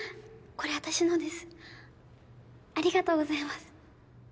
これ私のですありがとうございます